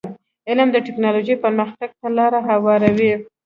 علم د ټکنالوژی پرمختګ ته لار هواروي.